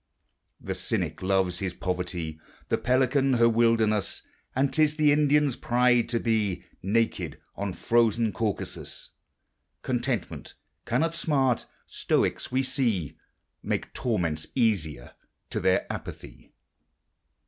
The cynic loves his poverty ; The pelican her wilderne And "i is the [ndian's pride to be Naked on frozen < Jaucasus : Contentment cannot sm hi : ^oii Make torments easier to their apathy.